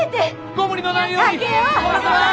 ご無理のないように！